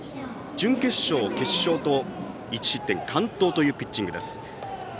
準決勝、決勝と１失点完投というピッチングです。